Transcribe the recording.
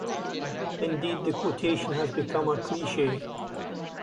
Indeed, the quotation has become a cliche.